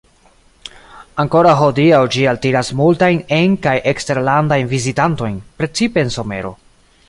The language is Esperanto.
Ankoraŭ hodiaŭ ĝi altiras multajn en- kaj eksterlandajn vizitantojn, precipe en somero.